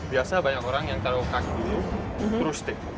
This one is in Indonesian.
biasanya banyak orang yang taruh kaki dulu terus stick